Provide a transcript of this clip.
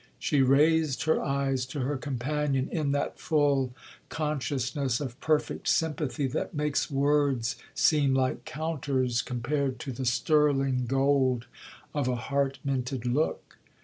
She raised her eyes to her companion, in that full consciousness of perfect sympathy that makes words seem like counters, compared to the sterling gold of a heart minted look.